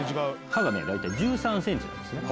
刃がね大体１３センチなんですね。